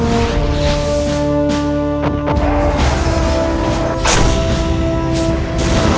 yang lebih baik adalah